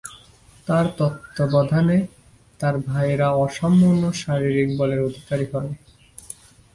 তার তত্ত্বাবধানে তার ভাইয়েরা অসামান্য শারীরিক বলের অধিকারী হন।